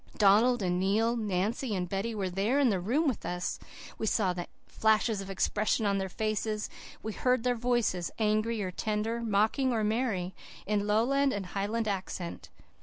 Donald and Neil, Nancy and Betty, were there in that room with us. We saw the flashes of expression on their faces, we heard their voices, angry or tender, mocking or merry, in Lowland and Highland accent.